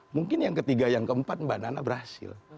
mungkin yang ketiga yang keempat mbak nana berhasil